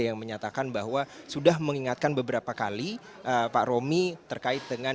yang menyatakan bahwa sudah mengingatkan beberapa kali pak romi terkait dengan